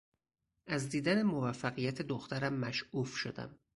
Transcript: از دیدن موفقیت دخترم مشعوف شدم.